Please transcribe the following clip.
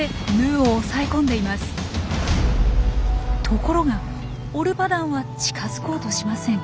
ところがオルパダンは近づこうとしません。